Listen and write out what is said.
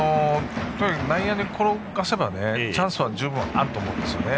内野に転がせばチャンスは十分あると思うんですよね。